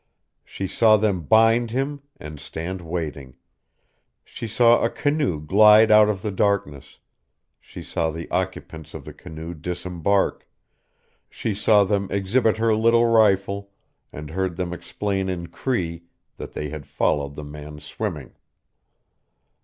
She saw them bind him, and stand waiting; she saw a canoe glide out of the darkness; she saw the occupants of the canoe disembark; she saw them exhibit her little rifle, and heard them explain in Cree, that they had followed the man swimming.